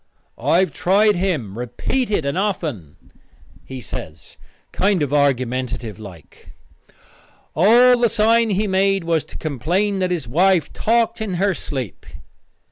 "I have tried him repeated and often," he says, kind of argumentative like. "All the sign he made was to complain that his wife talked in her sleep."